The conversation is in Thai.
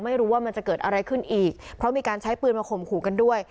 ไม่รู้ว่ามันจะเกิดอะไรขึ้นอีกเพราะมีการใช้ปืนมาข่มขู่กันด้วย